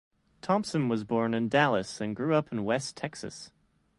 Thompson was born in Dallas and grew up in West Texas.